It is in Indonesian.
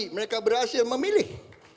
mereka berhasil memilih